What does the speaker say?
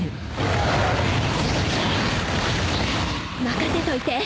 任せといて。